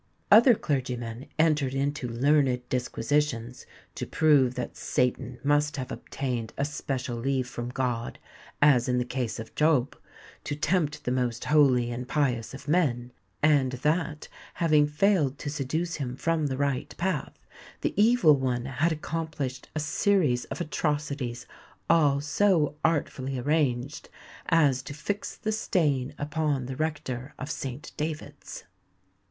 Other clergymen entered into learned disquisitions to prove that Satan must have obtained especial leave from God, as in the case of Job, to tempt the most holy and pious of men; and that, having failed to seduce him from the right path, the Evil One had accomplished a series of atrocities all so artfully arranged as to fix the stain upon the rector of St. David's.